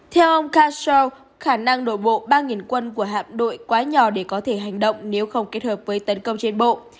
theo ông kashal khả năng đổ bộ ba quân của hạm đội quá nhỏ để có thể hành động nếu không kết hợp với tấn công trên bộ